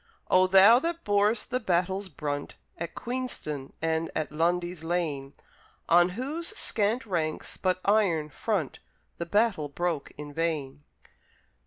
O thou that bor'st the battle's brunt At Queenston and at Lundy's Lane, On whose scant ranks, but iron front The battle broke in vain!